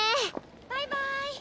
バイバイ！